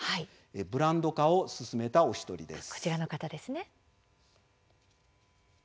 ブランド化を進めた、お一人です。